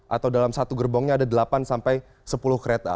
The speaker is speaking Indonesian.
atau dalam satu gerbongnya ada delapan sampai sepuluh kereta